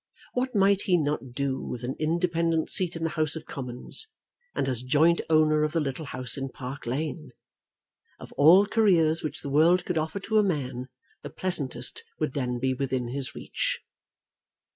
What might he not do with an independent seat in the House of Commons, and as joint owner of the little house in Park Lane? Of all careers which the world could offer to a man the pleasantest would then be within his reach.